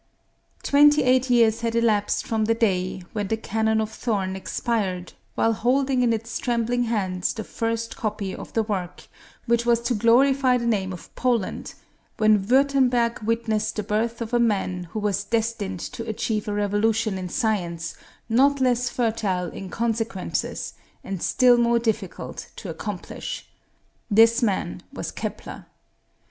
Twenty eight years had elapsed from the day when the Canon of Thorn expired while holding in his trembling hands the first copy of the work which was to glorify the name of Poland, when Würtemberg witnessed the birth of a man who was destined to achieve a revolution in science not less fertile in consequences, and still more difficult to accomplish. This man was Kepler.